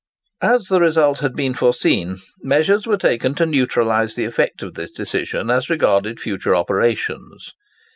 As the result had been foreseen, measures were taken to neutralise the effect of this decision as regarded future operations.